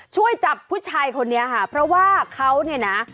ช่วยจับผู้ชายคนนี้ค่ะเพราะว่าเขาเนี่ยนะ